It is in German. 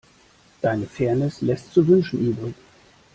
Deine Fairness lässt zu wünschen übrig.